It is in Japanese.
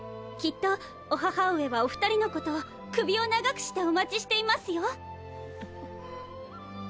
きっとお母上はおふたりのことを首を長くしてお待ちしていますよ。